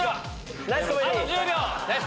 あと１０秒！